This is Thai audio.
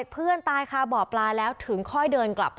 แปดนัด